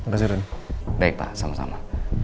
baik pak sama sama